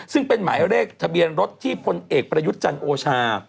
ซึ่งเป็นหมายเลขทะเบียนรถที่พลเอกประยุทธ์จันทร์โอชา